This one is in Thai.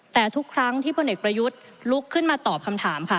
แต่ทุกครั้งที่พลเอกประยุทธ์ลุกขึ้นมาตอบคำถามค่ะ